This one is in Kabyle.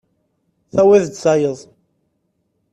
Tawiḍ-d tayeḍ.